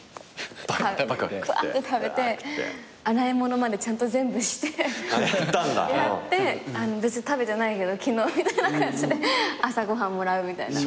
洗い物までちゃんと全部してってやって別に食べてないけど昨日みたいな感じで朝ご飯もらうみたいな。